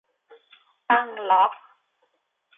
ตั้งล็อก